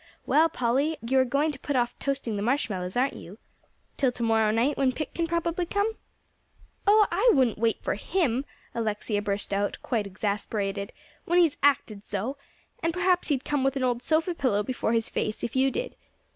"Well, Polly, you are going to put off toasting the marshmallows, aren't you, till to morrow night, when Pick can probably come?" "Oh, I wouldn't wait for him," Alexia burst out, quite exasperated, "when he's acted so. And perhaps he'd come with an old sofa pillow before his face, if you did."